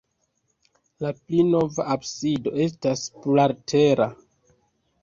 La pli nova absido estas plurlatera.